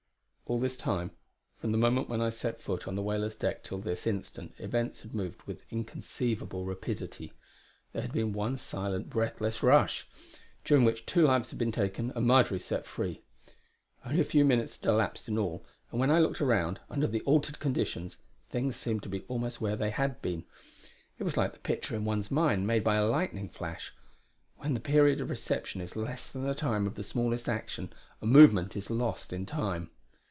All this time, from the moment when I had set foot on the whaler's deck till this instant, events had moved with inconceivable rapidity. There had been one silent, breathless rush; during which two lives had been taken and Marjory set free. Only a few minutes had elapsed in all; and when I looked around under the altered conditions, things seemed to be almost where they had been. It was like the picture in one's mind made by a lightning flash; when the period of reception is less than the time of the smallest action, and movement is lost in time.